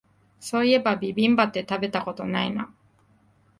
そういえばビビンバって食べたことないな